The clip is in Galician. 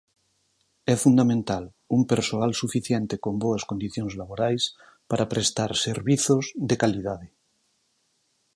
É fundamental un persoal suficiente con boas condicións laborais para prestar servizos de calidade.